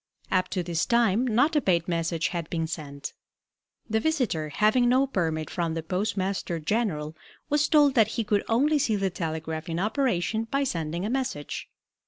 Up to this time not a paid message had been sent. The visitor, having no permit from the Postmaster General, was told that he could only see the telegraph in operation by sending a message.